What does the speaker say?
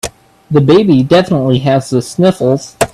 The baby definitely has the sniffles.